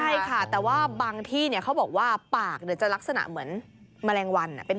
ยังไง